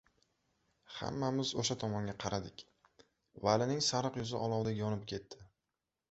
Hammamiz o‘sha tomonga qaradik, Valining sariq yuzi olovdek yonib ketdi.